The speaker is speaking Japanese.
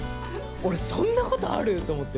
俺そんなことある！？と思って。